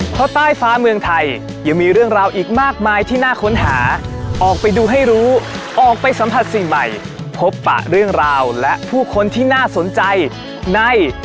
เพราะใต้ฟ้าเมืองไทยยังมีเรื่องราวอีกมากมายที่น่าค้นหาออกไปดูให้รู้ออกไปสัมผัสสิ่งใหม่พบปะเรื่องราวและผู้คนที่น่าสนใจใน